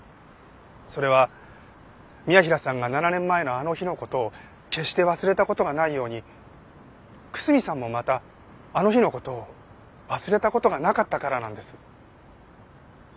それは宮平さんが７年前のあの日の事を決して忘れた事がないように楠見さんもまたあの日の事を忘れた事がなかったからなんです。